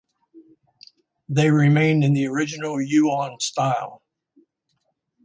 They remain in the original Yuan style.